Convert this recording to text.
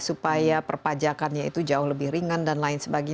supaya perpajakannya itu jauh lebih ringan dan lain sebagainya